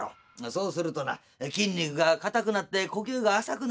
そうするとな筋肉が硬くなって呼吸が浅くなる。